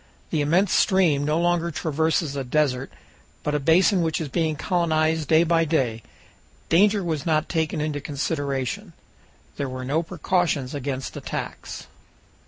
The immense stream no longer traverses a desert, but a basin which is being colonized day by day. Danger was not taken into consideration. There were no precautions against attacks.